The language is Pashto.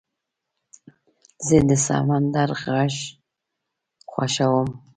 زه د سمندر غږ خوښوم.